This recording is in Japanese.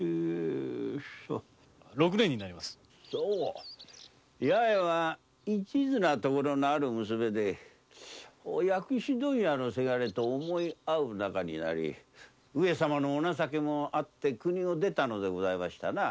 おおそうか八重は一途なところのある娘で薬種問屋の伜と思い合う仲になり上様のお情けもあって国を出たのでございましたな。